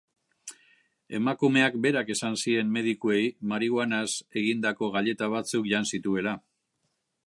Emakumeak berak esan zien medikuei marihuanaz egindako gaileta batzuk jan zituela.